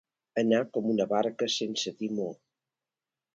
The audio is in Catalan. Anar com una barca sense timó.